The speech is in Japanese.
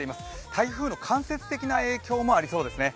台風の間接的な影響もありそうですね。